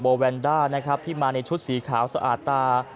แวนด้านะครับที่มาในชุดสีขาวสะอาดตา